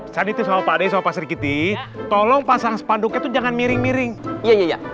tadi tuh sama pak dek sama pak serikiti tolong pasang spanduk itu jangan miring miring iya